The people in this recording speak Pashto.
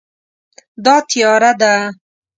دا تیاره ده